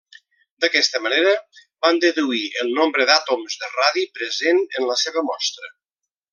D'aquesta manera van deduir el nombre d'àtoms de radi present en la seva mostra.